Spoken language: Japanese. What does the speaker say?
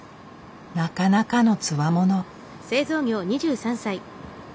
なかなかのつわもの。